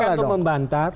saya kan sudah membantah